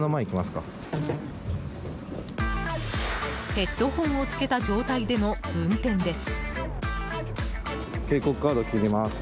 ヘッドホンをつけた状態での運転です。